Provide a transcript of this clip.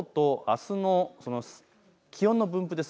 きょうとあすの気温の分布です。